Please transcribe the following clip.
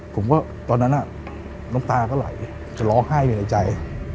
ผมก็ตอนนั้นน้ำตาก็ไหลจะร้องไห้อยู่ในใจ